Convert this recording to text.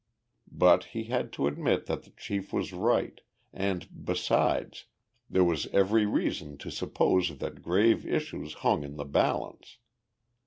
But he had to admit that the chief was right and, besides, there was every reason to suppose that grave issues hung in the balance.